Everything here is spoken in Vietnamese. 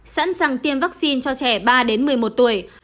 sẵn sàng tiêm vaccine cho trẻ ba đến một mươi một tuổi